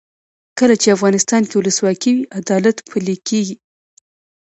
کله چې افغانستان کې ولسواکي وي عدالت پلی کیږي.